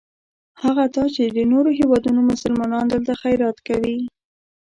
هغه دا چې د نورو هېوادونو مسلمانان دلته خیرات کوي.